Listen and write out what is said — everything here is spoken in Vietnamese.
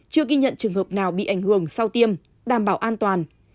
chưa ghi nhận trường hợp nào bị ảnh hưởng sau tiêm đảm bảo an toàn